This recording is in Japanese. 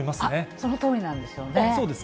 そのとおりなんですよね。